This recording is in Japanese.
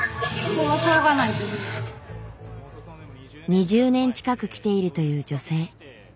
２０年近く来ているという女性。